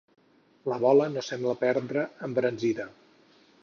La bola no sembla perdre embranzida.